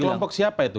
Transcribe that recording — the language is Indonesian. oleh kelompok siapa itu